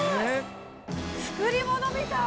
作りものみたい。